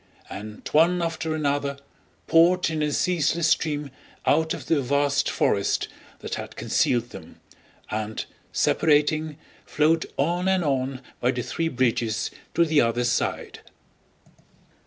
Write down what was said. and one after another poured in a ceaseless stream out of the vast forest that had concealed them and, separating, flowed on and on by the three bridges to the other side.